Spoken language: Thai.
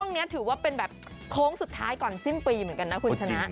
นี้ถือว่าเป็นแบบโค้งสุดท้ายก่อนสิ้นปีเหมือนกันนะคุณชนะ